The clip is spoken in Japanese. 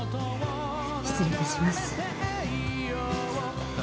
失礼いたします。